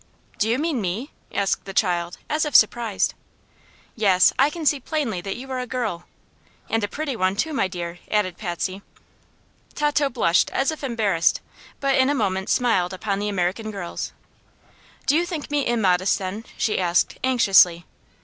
"Do you mean me?" asked the child, as if surprised. "Yes; I can see plainly that you are a girl." "And a pretty one, too, my dear," added Patsy. Tato blushed as if embarrassed, but in a moment smiled upon the American girls. "Do you think me immodest, then?" she asked, anxiously.